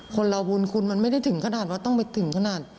คนเราบุญคุณมันไม่ได้ถึงขนาดว่าต้องไปถึงขนาด